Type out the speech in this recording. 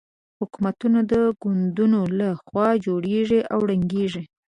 حکومتونه د ګوندونو له خوا جوړېږي او ړنګېږي.